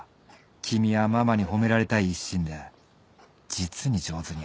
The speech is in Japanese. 君はママに褒められたい一心で実に上手にやったね。